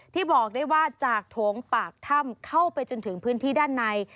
บอกได้ว่าจากโถงปากถ้ำเข้าไปจนถึงพื้นที่ด้านใน